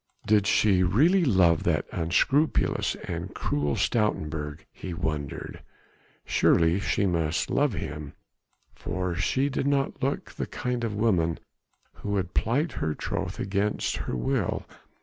Did she really love that unscrupulous and cruel Stoutenburg, he wondered. Surely she must love him, for she did not look the kind of woman who would plight her troth against her will.